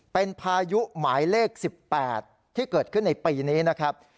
เป็นพายุหมายเลข๑๘ที่เกิดขึ้นในปีนี้นะครับ